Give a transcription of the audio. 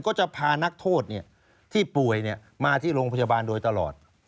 ก็จะพานักโทษที่ป่วยมาที่โรงพยาบาลโดยตลอด